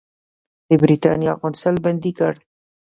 د برېټانیا قونسل بندي کړ.